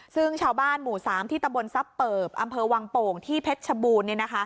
ซึ่งชาวบ้านหมู่๓ที่ตำบลซับเปิบอำเภอวังโป่งที่เพชรชบูรณ์